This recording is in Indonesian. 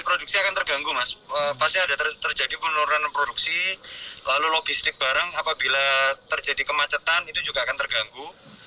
produksi akan terganggu mas pasti ada terjadi penurunan produksi lalu logistik barang apabila terjadi kemacetan itu juga akan terganggu